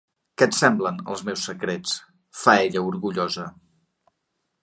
Què et semblen, els meus secrets? —fa ella, orgullosa.